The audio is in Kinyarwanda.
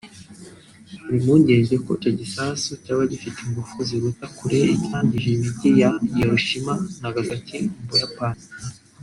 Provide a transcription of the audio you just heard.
Hari impungenge ko icyo gisasu cyaba gifite ingufu ziruta kure icyangije imijyi ya Hiroshima na Nagasaki mu Buyapani